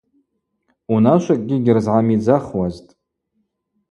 Унашвакӏгьи гьрызгӏамидзахуазтӏ.